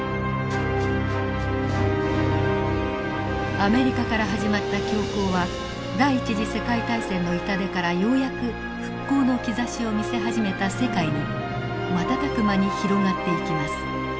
アメリカから始まった恐慌は第一次世界大戦の痛手からようやく復興の兆しを見せ始めた世界に瞬く間に広がっていきます。